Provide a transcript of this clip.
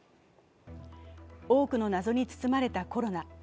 多くの謎に包まれたコロナ。